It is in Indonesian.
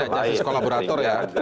itu tidak justice collaborator ya